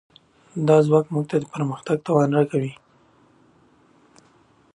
دا ځواک موږ ته د پرمختګ توان راکوي.